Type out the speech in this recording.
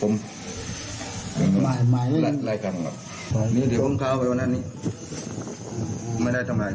ปุ้มไม่มีในรายการนี้ออกเข้าไปวันนั้นนี้ไม่ได้ทำหาย